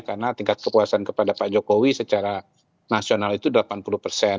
karena tingkat kepuasan kepada pak jokowi secara nasional itu delapan puluh persen